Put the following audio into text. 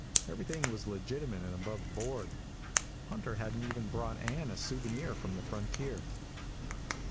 Everything was legitimate and above board. Hunter hadn't even brought Ann a souvenir from the frontier.